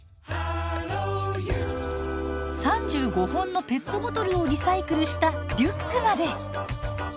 ３５本のペットボトルをリサイクルしたリュックまで。